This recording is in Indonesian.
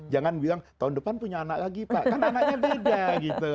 jangan bilang tahun depan punya anak lagi pak kan anaknya beda gitu